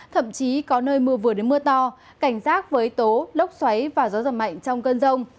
thậm chí có nơi mưa vừa đến mưa to cảnh giác với tố lốc xoáy và gió giật mạnh trong cơn rông